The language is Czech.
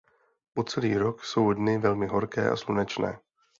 Po celý rok jsou dny velmi horké a slunečné.